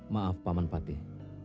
maaf paman patih